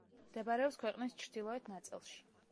მდებარეობს ქვეყნის ჩრდილოეთ ნაწილში.